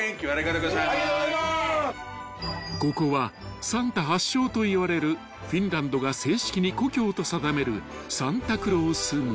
［ここはサンタ発祥といわれるフィンランドが正式に故郷と定める］